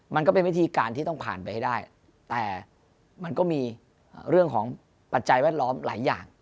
มันก็เป็นวิธีการที่ต้องผ่านไปให้ได้แต่มันก็มีเรื่องของปัจจัยแวดล้อมหลายอย่าง